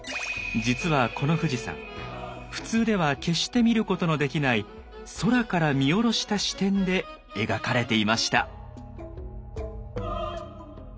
実はこの富士山普通では決して見ることのできない空から見下ろした視点で描かれていました。